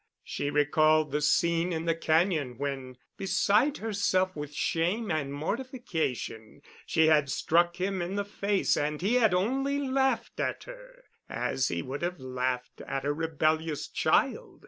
She recalled the scene in the cañon when, beside herself with shame and mortification, she had struck him in the face and he had only laughed at her, as he would have laughed at a rebellious child.